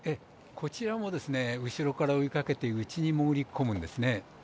こちらも後ろから追いかけて内に潜り込むんですね。